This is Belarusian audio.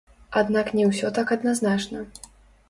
Аднак не ўсё так адназначна.